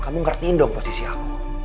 kamu ngertiin dong posisi aku